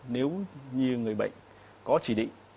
nếu như người bệnh có chỉ định